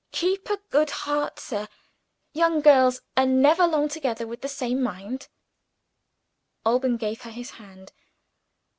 Keep a good heart, sir young girls are never long together of the same mind." Alban gave her his hand.